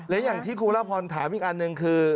และอย่างที่คุณละพรถามอีกอันหนึ่งคือ